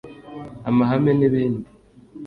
amahane n’ibindi